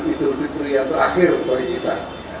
idul fitri yang terakhir bagi kita